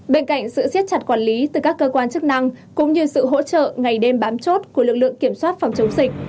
bên cạnh sự siết chặt quản lý từ các cơ quan chức năng cũng như sự hỗ trợ ngày đêm bám chốt của lực lượng kiểm soát phòng chống dịch